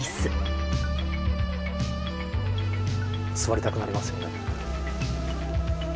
座りたくなりますよね。